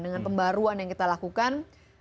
dengan pembaruan yang kita lakukan